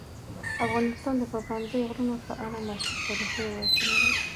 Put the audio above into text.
افغانستان د پابندي غرونو په اړه مشهور تاریخی روایتونه لري.